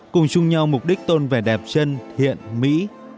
cùng chung nhau mục đích tôn vẻ đẹp chân thiện mỹ